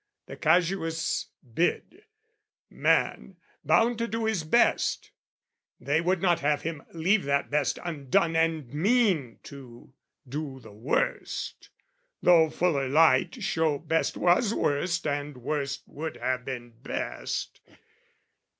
The casuists bid: man, bound to do his best, They would not have him leave that best undone And mean to do the worst, though fuller light Show best was worst and worst would have been best.